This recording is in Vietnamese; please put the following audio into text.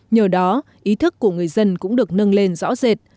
nhờ đó ý thức của người dân cũng được nâng lên rõ rệt